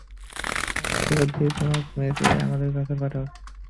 তোমার আশীর্বাদ দিয়েই তোমার মেয়েকে আমাদের বাড়িতে পাঠাও।